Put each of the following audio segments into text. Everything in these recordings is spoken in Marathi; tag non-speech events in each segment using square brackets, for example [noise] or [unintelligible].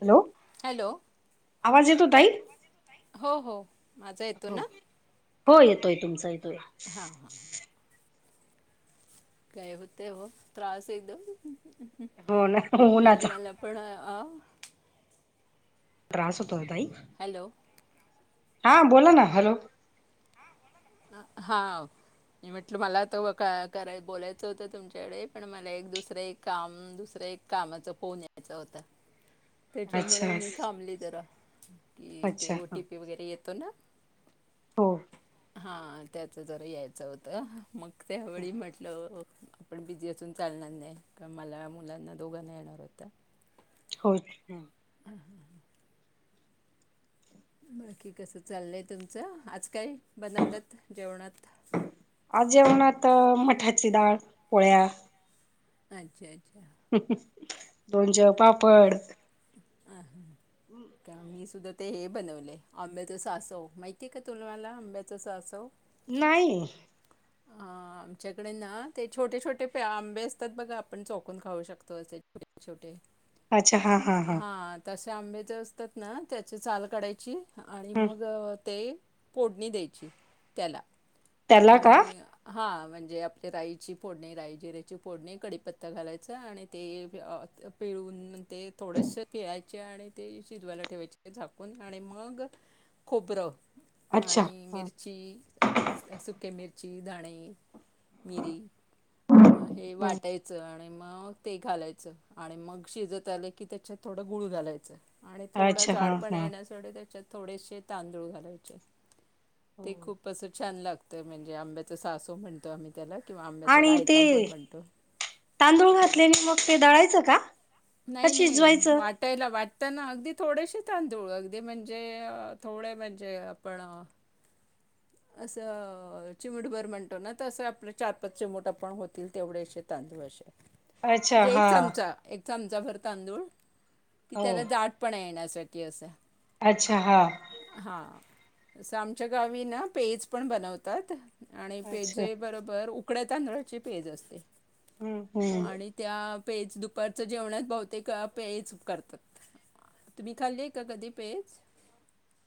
हॅलो हॅलो [inaudible] आवाज येतो ताई? हो, हो माझा येतो हो ना? हो येतोय. तुमचा येतोय. हां हां [inaudible] गय होते हो त्रास एकदम. हो ना आणि उन्हाचा [unintelligible] पण ह त्रास होतोय ताई? [inaudible] हॅलो हा बोला ना हॅलो, [inaudible] हा व मी म्हटलं मला तर कराय बोलायचं होतं तुमच्याकडे पण मला एक, दुसरं, एक काम दुसर एक कामाचा फोन यायचा होता. [inaudible] त्याच्यामुळे अच्छा मी थांबली जरा कि ते अच्छा ओटीपी हो वगैरे येतो ना. हा त्याच जरा यायचं होतं मग त्यावेळी म्हटलं आपण बिझी असून चालणार नाही का मला मुलांना दोघांना येणार होत. होय. बाकी कस चाललंय तुमचं? आज काय? बनवलत जेवणात आज जेवणात मठाची डाळ पोळ्या. अच्छा अच्छा. दोनच्यार पापड. अ का मी सुद्धा ते हे बनवले आंब्याचं सासव माहिती आहे का तुम्हाला? आंब्याचं सासव. नाही. ह. हा. आमच्याकडे ना ते छोटे छोटे आंबे असतात बघा आपण चोकून खाऊ शकतो असे छोटे छोटे.. अच्छा हा हा हा. हां तसे आंबे जे असतात ना त्याची सा ल काढायची आणि ह मग ते... फोडणी द्यायची त्याला. त्याला का? हा म्हणजे आपले राईची फोडणी राय जिऱ्याची फोडणी कडीपत्ता घालायच आणि ते... पिळून ते थोडस पिळायचे आणि ते शिजवायला ठेवायचे झाकून आणि मग.. खोबरं अच्छा आणि हा मिरची सुके मिरची दाणे मिरी हे ह वाटायच आणि.. मग ते घालायचं आणि मग शिजत आलं की त्याच्यात थोडं गुळ घालायचं. आणि थोडं अच्छा हा झाड पण हा येण्यासाठी त्याच्यात थोडेसे तांदूळ घालायचे. ते खूप असं छान लागतं म्हणजे आंब्याच सासू म्हणतो आम्ही. त्याला किंवा आंब्याचा आणि ते रायता पण म्हणतो तांदूळ घातलेने मग ते दळायचं का? का नाही नाही शिजवायचं? वाटायला वाटतना अगदी थोडेसे तांदूळ अगदी म्हणजे थोडे म्हणजे आपण... असं चिमटभर म्हणतो ना तर असं आपले चार पाच चिमट आपण होतील तेवढे अस तांदूळ असे.. अच्छा म्हणजे एक हा चमचा. चमचाभर तांदूळ की हो त्याला जाटपणा येण्यासाठी असा. अच्छा हा. आमच्या गावी ना पेज पण बनवतात आणि अच्छा पेजे बरोबर.. उकड्या तांदळाची पेज असते हम्म हम्म आणि त्या... पेज दुपारच्या जेवणात बहुतेक पेज करतात. तुम्ही खाल्लीय का कधी पेज?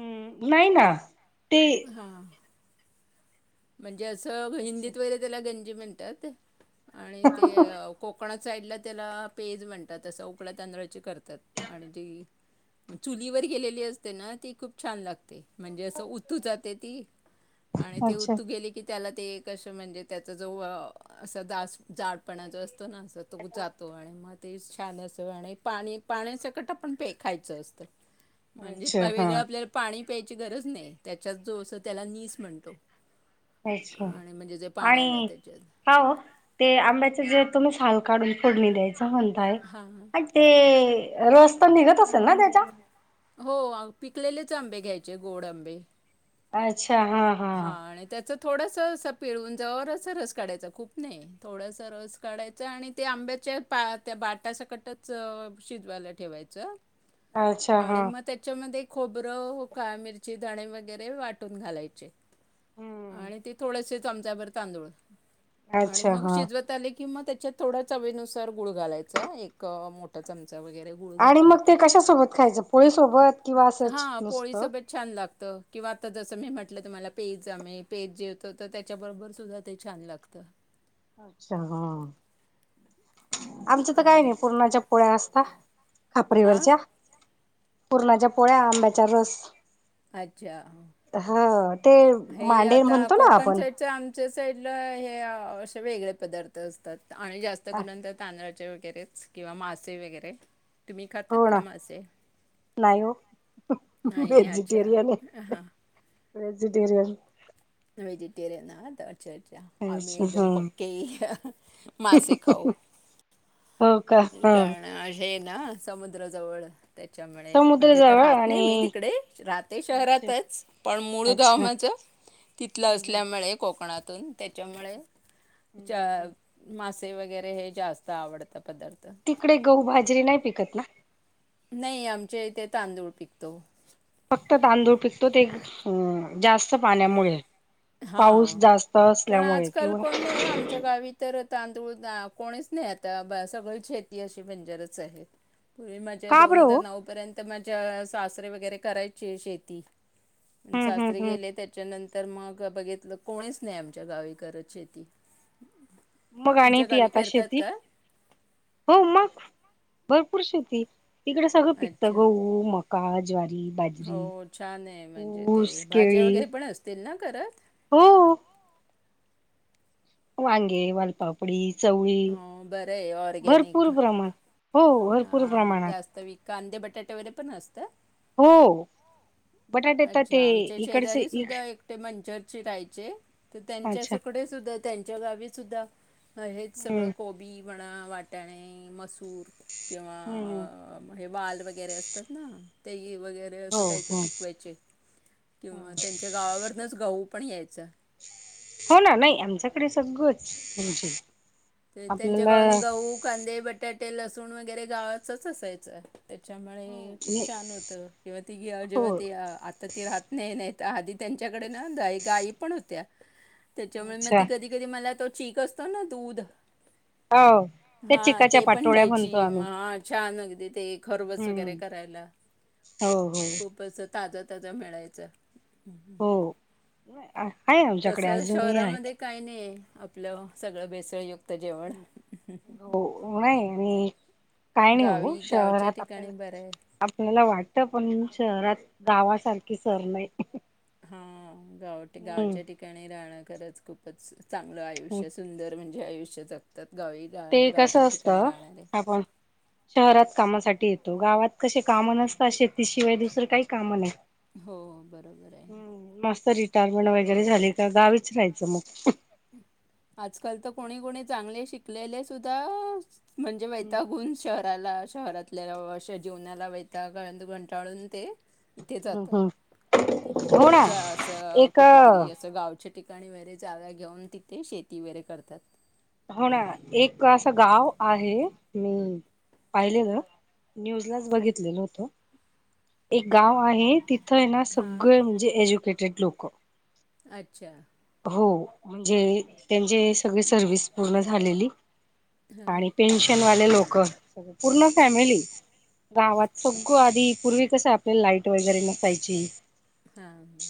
हम्म नाही ना. ते हा. म्हणजे असं अच्छा हिंदीत वगैरे त्याला गंजी म्हणतात आणि ते कोकणात साईडला त्याला पेज म्हणतात असं उकळ्या तांदळाची करतात आणि जी... चुलीवर गेलेली असते ना ती खूप छान लागते. म्हणजे असं उतू जाते ती आणि ते अच्छा ऊत कि त्याला ते एक अशं म्हणजे त्याचा जो असं जाडपणा जो असत कीं तो ना असं तो जातो आणि म्हणजे म तेच छान असं आणि पाणी पाण्या सकट आपण पे खायचं असतं. म्हणजे अच्छा हा वेगळं आपल्याला पाणी प्यायची गरज नाही त्याच्यात जो अस त्याला नीस म्हणतो. अच्छा आणि म्हणजे जे पाण्याला आणि त्याच्यात हो ते आंब्याचं जे तुम्ही साल काढून फोडणी द्यायच म्हणताय हां आणि ते... रस तर निघत असेल ना त्याचा. हो पिकलेलेच आंबे घ्यायचे गोड आंबे. अच्छा हा हा. थोडासं असं पिळवून जरासा असा रस काढायचा खूप नाही थोडासा रस काढायचा आणि ते आंब्यात च्या पा त्या बाटा सकटच शिजवायला ठेवायचं. अच्छा आणि हा मग त्याच्यामध्ये खोबरं उकाळ मिरची धणे वगैरे वाटून घालायचे. हम्म आणि ते थोडेसे चमचाभर तांदूळ आणि अच्छा मग हा शिजवत आले कि मग त्याच्यात थोडा चवीनुसार गुळ घालायचा एक मोठा चम आणि मग ते कशा सोबत खायचा पोळी सोबत किंवा असंच हां, नुसतं? पोळीसोबत छान लागतं किंवा आता असं जस मी म्हं टलं तुम्हाला पेजमे पेज जेवतो तर त्याच्याबरोबर सुद्धा ते छान लागतं. अच्छा हा! आमचा तर काय आणि नाय पूरणाच्या पोळ्या असता आ? खापरीवरच्या पूरणाच्या पोळ्या, आंब्याचा रस अच्छा. ह ते हे मांडे आता म्हणतो ना कोकण आपण साईडच्या आमच्या साईडला हे अ अशे वेगळे पदार्थ असतात आणि जास्त करून त्या तांदळा चा वगैरेच किंवा मासे वगैरे, तुम्ही खातात का मासे नाय ओ नाही, अच्छा. वेजिटेरियन आहे. हां. वेजिटेरियन वेजिटेरयन आहात. अच्छा-अच्छा! आम्ही ह एकदम पक्के मासे खाऊ.. हो का हा. कारण आहे ना समुद्राजवळ त्याच्यामुळे समुद्र म्हणजे तर जवळ राहत नाही मी आणि तिकडे राहते अच्छा शहरातच पण मुळूगांव अच्छा माझा तिथलं हम्म हम्म असल्यामुळे कोकणा तोइन त्याच्यामुळे हम्म चा हम्म हम्म. मासे वगैरे हे जास्त आवडतं. पदार्थ तिकडे गहू भाजरी नाही पिकत ना. नाही आमच्या इथे तांदूळ पिकतो. फक्त तांदूळ पिकतो ते एक जास्त पाण्यामुळे. हा पाऊस जास्त पण असल्यामुळे आजकाल किंवा कोण नाही हो आमच्या गावी तर तांदूळ दा कोणीच नाही आता ब सगळी शेती अशी बंजरच आहे. पूर्वी माझ्या का दोन बरं हजार हो नऊ पर्यंत माझ्या सासरे वगैरे करायचे शेती. हम्म हम्म सासरे हम्म. गेले त्याच्यानंतर मग ग बघितलं कोणीच नाही आमच्या गावी करत शेती. मग आणि तुमच्या ती गावी आता करतात शेती का हो मग भर पूर शेती तिकडे सगळं पिकतं अच्छा गहू, मका, ज्वारी हो बाजरी छान आहे म्हणजे, ते ऊस, भाज्या केळी वगैरे पण असतील ना करत? हो. वांगे, वालपापडी चवळी हो बरं आहे भरपूर ऑर्गॅनिक प्रमाण हो भरपूर हां प्रमाणात. जास्त वी कांदे, बटाटे वगैरे पण अस हो बटा अच्छा आमच्या शेजारी सुद्धा एकटे मंचरचे राहायचे तर त्यांच्या अच्छा सुकडे सुद्धा त्यांच्या गावी सुुद्धा हेच सगळं हम्म कोबी म्हणा वाटाणे, मसू तूर हम्म किंवा हे वाल वगैरे असतात ना ती वगैरे असं हो काय-काय हो पिकवयचे किंवा त्यांच्या गावावरनंच गहू पण यायचं. हो ना नाही आमच्याकडे सगळंच म्हणजे ते त्यांच्या आपल्याला गावानं गहू, कांदे, बटाटे, लसूण वगैरे गावचच असायचं. त्याच्यामुळे हो हे खूप नाही, छान होतं किंवा ती गे अ हो जेव्हा ती आ आता ती राहत नाही नाही आदी त्यांच्याकडे ना दा गाई पण होत्या त्याच्यामुळे म अच्छा ती कधी-कधी मला चीक असतो ना दूध हो त्या हा चिकाच्या ते पण पाटोळ्या म्हणतो द्यायची म आम्ही हा छान अ ते खरवस हम्म वगैरे करायला हो हो खूप असं ताजं ताजं मिळायचं. हो आहे आमच्याकडे तसं अजूनही आहे. शहरामध्ये काही नाही आहे. आपलं सगळं बेसळ युक् हो हो नाही आणि काय नाही हो गावी गावच्या शहरात आपल्याला ठिकाणी बरं आहे आपल्याला वाटत पण शहरात गावासारखी सर नाही. हा गाव गावच्या हम्म ठिकाणी राहणं खरंच खूपच चांगलं आयुष्य सुंदर म्हणजे. जे आयुष्यात जगतात गावी गा ते कस गावच्या असत ठिकाणी राहणारे. आपण शहरात कामासाठी तो गावात कसे कामं नसतात शेतीशिवाय दुसरं काही काम नाही. हो बरोबर आहे. हम्म मस्त रिटायरमेंट वगैरे झाली का गावीच राहायचं मग आजकाल तर कोणी कोणी चांगले शिकलेले सुद्धा म्हणजे हम्म वैतागून शहराला शहरातल्या अशा जीवनाला वैतागून कंटाळून ते इथे जातात हम्म हो ना असं एक कुठेतरी असं गावचे ठिकाणी वगैरे जागा घेऊन तिथे शेती वगैरे करतात. हो ना एक असं गाव आहे मी पाहिलेलं न्यूजलाच बघितलेलं होत एक गाव आहे तिथ तिथं ना हां, सगळे म्हणजे एज्युकेटेड लोकं अच्छा हो म्हणजे त्यांचे सगळी सर्विस पूर्ण झालेली. हां, आणि पेन्शन वाले लोकं पूर्ण फॅमिली गावात सगळं आधी पूर्वी कसं आपल्याला लाईट वगैरे नसायची. हा ह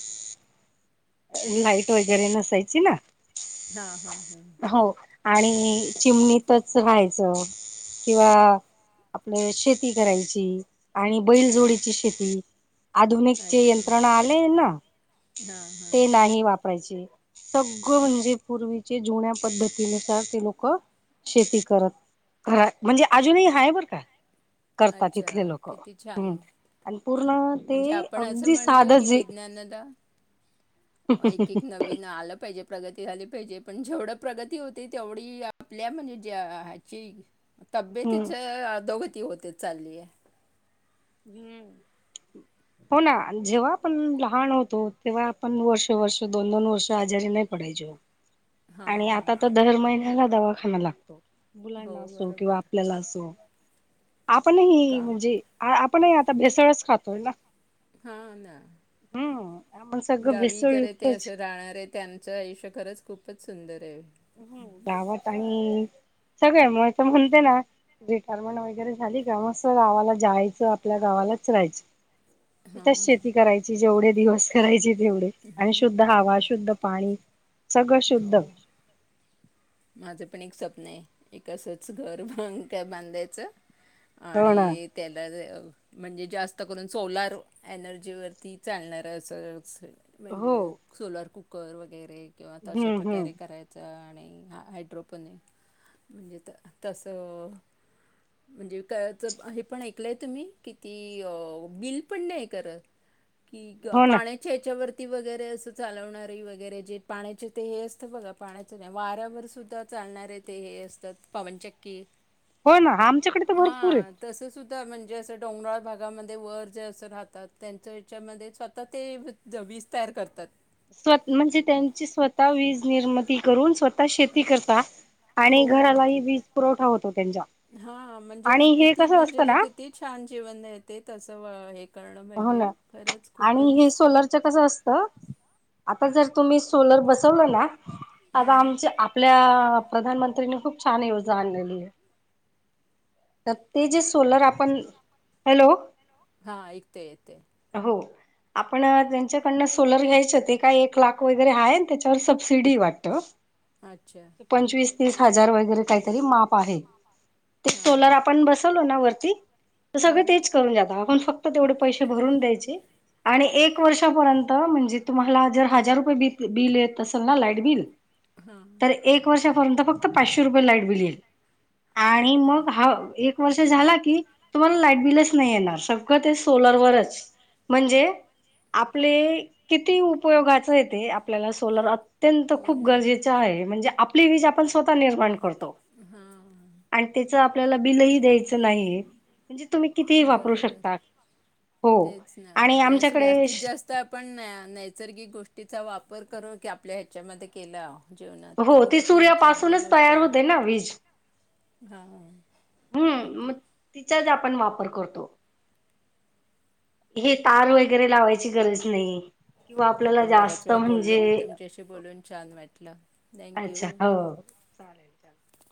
ह लाईट वगैरे नसायची ना हा हा हा हो आणि चिमणीतच राहायचं किंवा आपल्या शेती करायची आणि बैल जोडीची शेती आधुनिक जे अच्छा. यंत्रणा आले ना हां, हां. ते नाही वापर पाहिजे. सगळं म्हणजे पूर्वीचे जुन्या पद्धतीनुसार ते लोकं शेती करत खरा म्हणजे अजूनही हाय बरं का? करतात अच्छा, तिथले लोकं किती छान! हम् पूर्ण ते म्हणजे आपण असं अगदी म्हणतो, की साधेच हाय विज्ञानाला एक एक नवीन आलं पाहिजे प्रगती झाली पाहिजे. पण जेवढं प्रगती होते तेवढी आपल्या म्हणजे ज्या ह्याची तब्येतीच अधोगती होतच चाललीय. हम्म हो ना जेव्हा आपण लहान होतो तेव्हा आपण वर्ष वर्ष दोन दोन वर्ष आज आणि आ हां, तर दर महिन्याला दवाखाना लागतो. हो मुलांना असो किंवा बरोबर. आपल्याला असो. आपण ह का म्हणजे आपणही आता भेसळच खातोय ना. हा ना हम्म आपण सगळं गावीकरे ते भेसळयुक्तच असं राहणार आहे त्यांचं आयुष्य खरंच खूपच सुंदर आहे. हम्म गावात आणि सगळे म तर म्हणते ना रिटायरमेंट वगैरे झाली का, मस्त गावाला जायचं आपल्या गावात. य तथच शेती करायची जेवढे दिवस करायची. तेवढ आणि शुद्ध हवा शुद्ध पाणी सगळं शुद्ध हो. माझं पण एक स्वप्न आहे एक आसच घर ह बांधायचं. हो ना आणि त्याला म्हणजे जास्त करून सोलार एनर्जी वरती चालणार अस. हो म्हणजे सोलर कुकर वगैरे किंवा तर अशा हम्म हम्म प्रकारे करायचं आणि ह हायड्रोपनी म्हणजे त तसं म्हणजे काळ्याचं हे पण ऐकलंय तुम्ही किती बिल पण नाही करत. कि हो ना पाण्याच्या याच्यावर वगैरे अस चालवणारी वगैरे जे पाण्याचे ते हे असतं बघा पाण्याच नाही वाऱ्यावर सुद्धा चालणारे ते हे असतात पवनचक्की हो ना आमच्याकडे तर भरपूरेत. त म्हणजे असं डोंगराळ भागामध्ये वर जे अस राहतात त्यांच्या हच्यामध्ये स्वतः ते जम वीज तयार करतात. स्व म्हणजे त्यांची स्वतः वीज निर्मिती करून स्वतः शेती करता हो आणि घरालाही वीज पुरवठा होतो त्यांचा हा म्हणजे मग आणि हे किती कसं असतं म्हणजे ना किती छान जीवन येत तसं हे करणं हो म्हणजे ना खरंच खूपच आ आता जर तुम्ही सोलर बसवलं ना आता हां आमच्या आपल्या प्रधानमंत्र्यानी खूप छान योजना आणलेली आहे. तर ते जे सोलर आपण हॅलो हा ऐकते येते हो आपण त्यांच्याकडनं सोलर घ्यायचे ते काय एक लाख वगैरे आहे त्याच्यावर सबसिडी वाटत. अच्छा पंचवीस तीस हजार वगैरे काहीतरी माप आहे. ते हां सोलर हां आपण बसवलो ना वरती तर सगळे तेच करून जात आपण फक्त तेवढे पैसे भरून द्यायचे. आणि एक वर्षापर्यंत म्हणजे तुम्हाला जर हजार रुपये बिल येत असेल ना लाईट बिल हां तर एक वर्षापर्यंत फक्त पाचशे रुपये लाईट बिल येईल. आणि ओके मग हा एक वर्ष झाला की तुम्हाला लाईट बिलच नाही येणार सगळं ते सोलरवरच म्हणजे आपले किती उपयोगाचय ते आपल्याला सोलर अत्यंत हो खूप ना गरजेच आहे म्हणजे आपली वीज आपण स्वतः निर्माण करतो. हां आणि त्याच आपल्याला बिलही द्यायचं नाही. तुम्ही कितीही वापरू बरोबर शकतात. तेच ना आणि असं जास्तीत जास्त आपण नैसर्गिक गोष्टीचा वापर करू की आपल्या ह्याच्यामध्ये केलं. हो ती सूर्यापासूनच तयार होते ना वीज हा. चाच आपण वापर करतो. हे तार वगैरे लावायची गरज नाही. किंवा आपल्याला आपण बराच जास्त वेळ म्हणजे बोललो तुमच्याशी बोलून छान वाटलं अच्छा थँक्यू हो चालेल. चालेल [inaudible]